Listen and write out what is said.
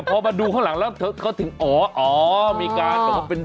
พุ้ย